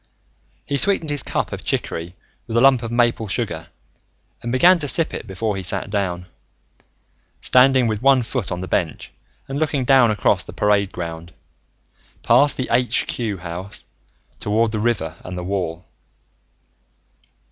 He sweetened his cup of chicory with a lump of maple sugar and began to sip it before he sat down, standing with one foot on the bench and looking down across the parade ground, past the Aitch Cue House, toward the river and the wall.